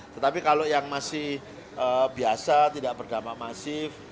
tetapi kalau yang masih biasa tidak berdampak masif